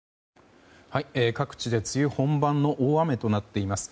ＪＴ各地で梅雨本番の大雨となっています。